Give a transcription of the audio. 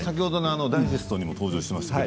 ダイジェストにも登場しましたが。